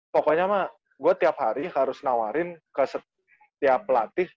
pokoknya mah gue tiap hari harus nawarin ke setiap pelatih